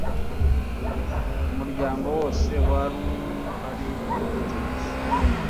umuryango wose waruhari icyo gihe